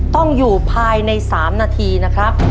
ต้องอยู่ภายใน๓นาทีนะครับ